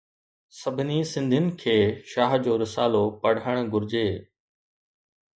سڀني سنڌين کي شاھ جو رسالو پڙھڻ گھرجي.